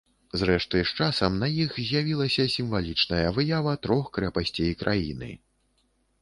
Зрэшты, з часам на іх з'явілася сімвалічная выява трох крэпасцей краіны.